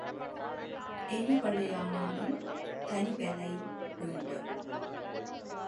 எலி வளையானாலும் தனி வலை வேண்டும்.